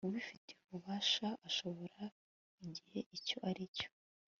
ubifitiye ububasha ashobora igihe icyo aricyo